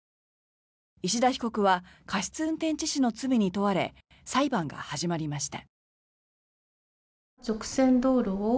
石田被告は過失運転致死の罪に問われ裁判が始まりました。